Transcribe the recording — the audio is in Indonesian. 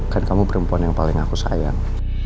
kan kamu perempuan yang paling aku sayang